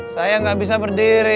saya gak bisa berdiri